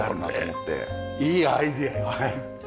いいアイデアよね。